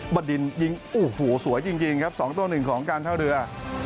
บดินยิงโอ้โหสวยจริงครับ๒ตัว๑ของการท่าเรือ